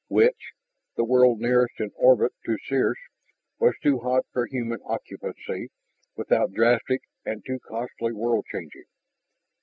Witch, the world nearest in orbit to Circe, was too hot for human occupancy without drastic and too costly world changing.